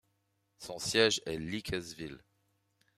Son siège est Leakesville.